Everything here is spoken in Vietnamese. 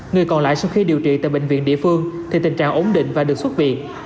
người còn lại sau khi điều trị tại bệnh viện địa phương thì tình trạng ổn định và được xuất viện